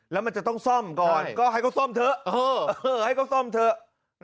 แล้วมันจะต้องซ่อมก่อนก็ให้เขาซ่อมเถอะ